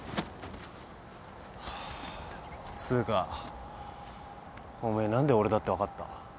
つーかおめえ何で俺だって分かった？